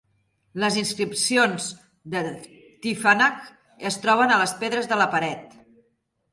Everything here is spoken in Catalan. Les inscripcions de Tifinagh es troben a les pedres de la paret.